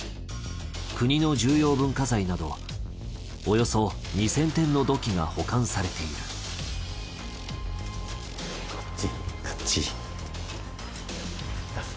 国の重要文化財などおよそ２，０００点の土器が保管されているこっちこっち。